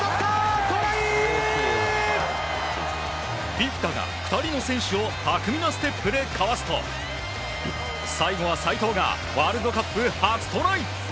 フィフィタが２人の選手を巧みなステップでかわすと最後は齋藤がワールドカップ初トライ。